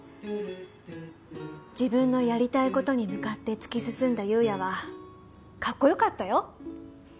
自分のやりたいことに向かって突き進んだ悠也はカッコ良かったよ。